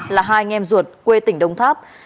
là hai anh em ruột quê tỉnh đông tháp